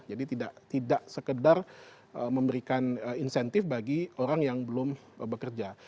jadi tidak sekedar memberikan insentif bagi orang yang belum bekerja